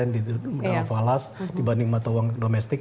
di dalam falas dibanding mata uang domestik